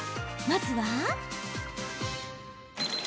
まずは。